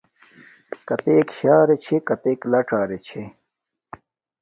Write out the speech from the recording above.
کتݵَک شݳرݺ چھݺ کتݵَک لڞݳرݺ چھݺ.